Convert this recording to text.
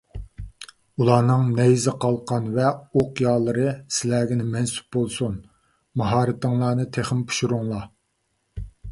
ئۇلارنىڭ نەيزە، قالقان ۋە ئوق يالىرى سىلەرگە مەنسۇپ بولسۇن، ماھارىتىڭلارنى تېخىمۇ پىشۇرۇڭلار.